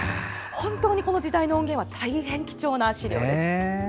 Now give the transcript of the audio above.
本当にこの時代の音源は大変貴重な資料です。